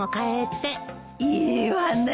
いいわね。